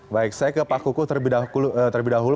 baik saya ke pak kukuh terlebih dahulu